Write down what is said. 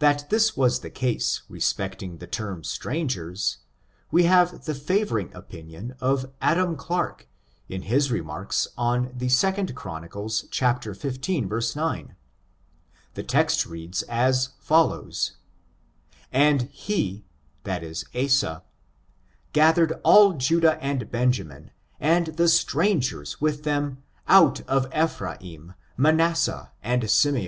That this was the case respecting the term strangers, we have the favoring opinion of Adam Clarke, in his remarks on the 2 Chron. xv, 9. The text reads as follows :" And he (Asa) gathered all Judah and Ben jamin, and the strangers with them out of Ephraim^ Manassah and Simeon.